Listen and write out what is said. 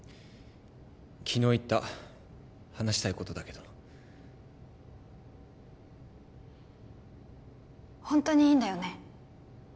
昨日言った話したいことだけどホントにいいんだよね？